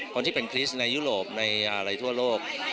คนที่เป็นคริสต์ในยุโรปในอะไรทั่วโลก